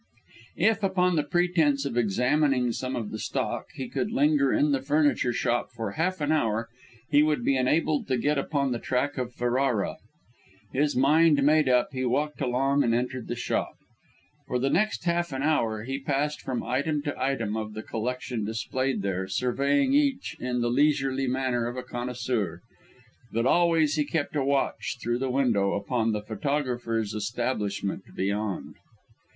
If, upon the pretence of examining some of the stock, he could linger in the furniture shop for half an hour, he would be enabled to get upon the track of Ferrara! His mind made up, he walked along and entered the shop. For the next half an hour, he passed from item to item of the collection displayed there, surveying each in the leisurely manner of a connoisseur; but always he kept a watch, through the window, upon the photographer's establishment beyond.